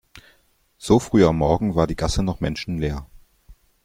So früh am Morgen war die Gasse noch menschenleer.